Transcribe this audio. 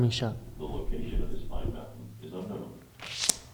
The location of this Pine mountain is unknown.